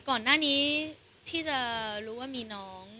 ก่อนหน้านี้ที่จะรู้ว่ามีน้อง